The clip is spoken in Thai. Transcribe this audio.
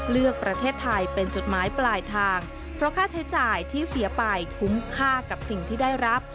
เลือกประเทศไทยเป็นจุดหมายปลายทางเพราะค่าใช้จ่ายที่เสียไปคุ้มค่ากับสิ่งที่ได้รับ